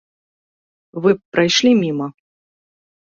Вы б прайшлі міма?